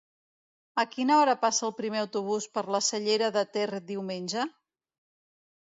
A quina hora passa el primer autobús per la Cellera de Ter diumenge?